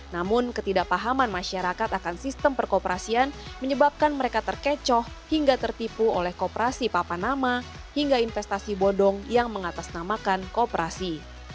namun ketidakpahaman masyarakat akan sistem perkoperasian menyebabkan mereka terkecoh hingga tertipu oleh kooperasi papanama hingga investasi bodong yang mengatasnamakan kooperasi